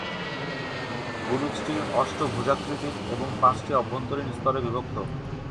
বুরুজটি অষ্টভুজাকৃতির এবং পাঁচটি অভ্যন্তরীণ স্তরে বিভক্ত।